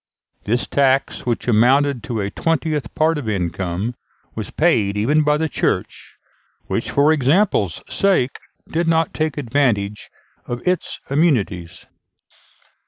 This tax, which amounted to a twentieth part of income, was paid even by the Church, which, for example's sake, did not take advantage of its immunities.